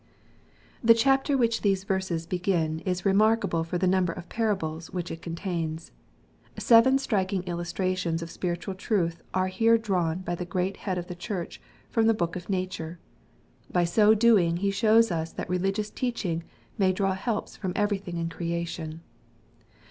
The chapter which these verses hegin is remarkable for the number of parables which it contains. Seven striking illustrations of spiritual truth are here drawn by the great Head of the Church from the book of nature. By so doing He shows us that religious teaching may draw helps from everything in creation.